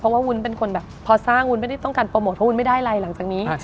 วุ้นเป็นคนแบบพอสร้างวุ้นไม่ได้ต้องการโปรโมทเพราะวุ้นไม่ได้อะไรหลังจากนี้